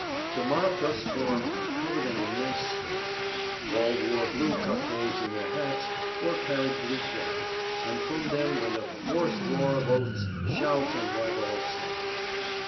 The mob thus formed covered an immense space. All wore blue cockades in their hats or carried blue flags, and from them went up a hoarse roar of oaths, shouts and ribald songs.